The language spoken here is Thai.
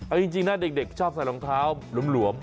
เอาจริงนะเด็กชอบใส่รองเท้าหลวม